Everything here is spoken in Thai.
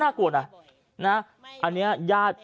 ชาวบ้านญาติโปรดแค้นไปดูภาพบรรยากาศขณะ